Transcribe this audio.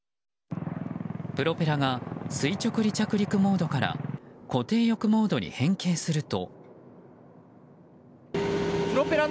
プロペラが垂直離着陸モードから固定翼モードに変形すると。